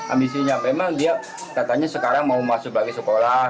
ambisinya memang dia katanya sekarang mau masuk lagi sekolah